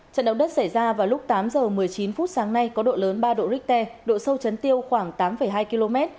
trận động đất xảy ra vào lúc tám giờ một mươi chín phút sáng nay có độ lớn ba độ richter độ sâu chấn tiêu khoảng tám hai km